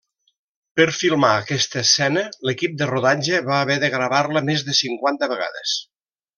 Per filmar aquesta escena l'equip de rodatge va haver de gravar-la més de cinquanta vegades.